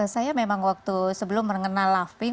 saya memang waktu sebelum mengenal love pink